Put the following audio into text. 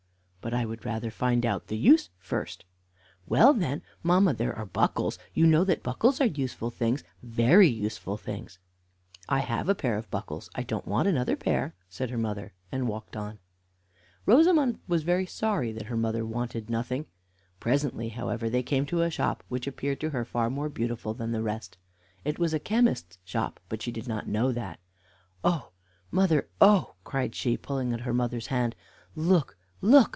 "But I would rather find out the use first." "Well, then, mamma, there are buckles; you know that buckles are useful things, very useful things." "I have a pair of buckles; I don't want another pair," said her mother, and walked on. Rosamond was very sorry that her mother wanted nothing. Presently, however, they came to a shop, which appeared to her far more beautiful than the rest. It was a chemist's shop, but she did not know that. "Oh, mother, oh!" cried she, pulling her mother's hand, "look, look!